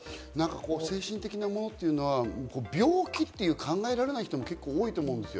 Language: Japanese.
精神的なものというのは病気って考えられない人も結構多いと思います。